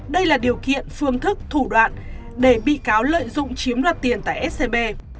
đây là điều kiện phương thức thủ đoạn để bị cáo lợi dụng chiếm đoạt tiền tại scb